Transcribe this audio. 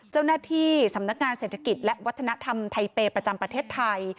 เจ้าหน้าที่สำนักงานเศรษฐกิจและวัฒนธรรมไทยเปย์ประจำประเทศไทย